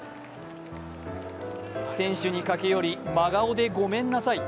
選手に駆け寄り、真顔でごめんなさい。